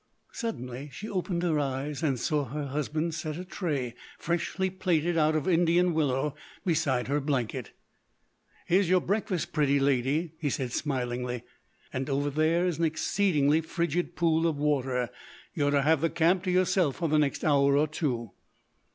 Suddenly she opened her eyes; and saw her husband set a tray, freshly plaited out of Indian willow, beside her blanket. "Here's your breakfast, pretty lady," he said, smilingly. "And over there is an exceedingly frigid pool of water. You're to have the camp to yourself for the next hour or two."